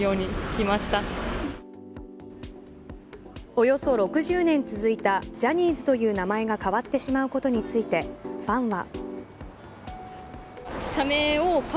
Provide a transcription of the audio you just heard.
およそ６０年続いたジャニーズという名前が変わってしまうことについてファンは。